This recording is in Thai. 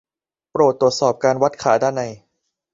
โปรดตรวจสอบการวัดขาด้านใน